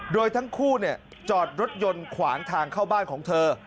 โดยทั้งคู่จอดรถยนต์ขวางทางเข้าบ้านของเธอ